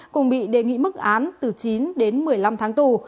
cùng bị đề nghị mức án từ chín đến một mươi năm tháng tù